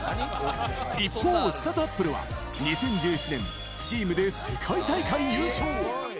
一方、ちさとあっぷるは、２０１７年、チームで世界大会優勝。